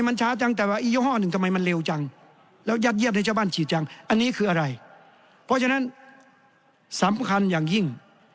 เพราะฉะนั้นสำคัญอย่างยิ่ง